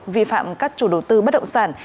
vi phạm các chủ đầu tư bất động sản